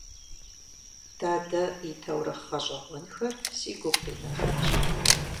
Дадэ и таурыхъ гъэщӀэгъуэнхэр си гум къинэжащ.